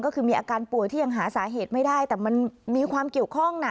ก็คือมีอาการป่วยที่ยังหาสาเหตุไม่ได้แต่มันมีความเกี่ยวข้องนะ